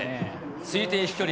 推定飛距離